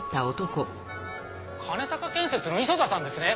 兼建設の磯田さんですね。